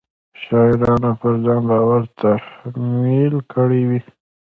شاعرانو پر ځان بار تحمیل کړی وي.